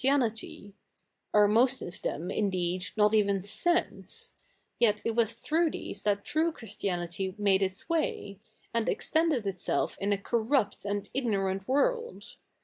iity — are most of the77i, indeed, not eve?i sense — yet it was through these that true Christiaiiity made its ivay, a?id extended itself in a corrupt and ignorajit ivorld.